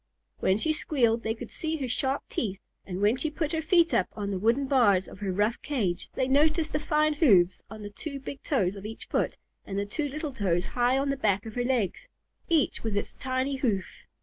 When she squealed they could see her sharp teeth, and when she put her feet up on the wooden bars of her rough cage, they noticed the fine hoofs on the two big toes of each foot and the two little toes high on the back of her legs, each with its tiny hoof.